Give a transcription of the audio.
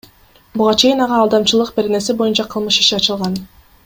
Буга чейин ага Алдамчылык беренеси боюнча кылмыш иши ачылган.